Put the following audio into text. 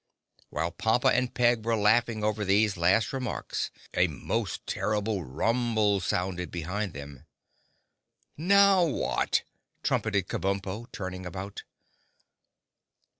While Pompa and Peg were laughing over these last remarks a most terrible rumble sounded behind them. "Now what?" trumpeted Kabumpo, turning about.